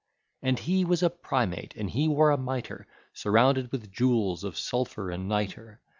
And He was a primate, and He wore a mitre, Surrounded with jewels of sulphur and nitre.